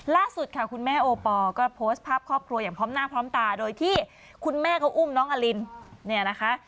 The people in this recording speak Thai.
ล่าสุดค่ะคุณแม่โอปอลก็โพสต์ภาพครอบครัวอย่างพร้อมหน้าพร้อมตาโดยที่คุณแม่เขาอุ้มน้องอลินเนี่ยนะคะ